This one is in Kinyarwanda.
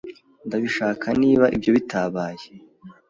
Ndabishaka niba ibyo bitabaye.